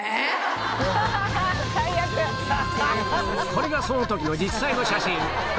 これがその時の実際の写真